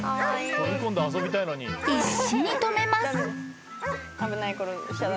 ［必死に止めます］